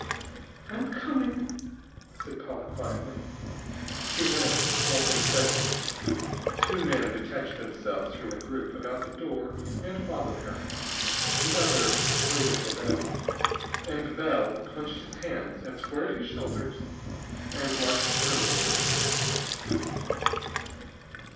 "I'm coming," said Paula quietly. She went, walking steadily. Two men detached themselves from the group about the door and followed her. The others waited for Bell. And Bell clenched his hands and squared his shoulders and marched grimly with them.